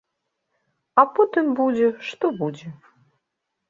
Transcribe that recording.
А потым будзе, што будзе.